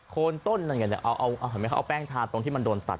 โค้นต้นเอาแป้งทาตรงที่มันโดนตัด